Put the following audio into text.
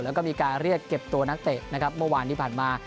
แล้วก็เรียกเก็บตัวนักเตะเมื่อวานที่ผ่านมา